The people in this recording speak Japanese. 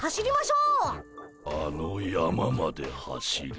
あの山まで走る？